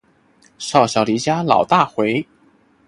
少小离家老大回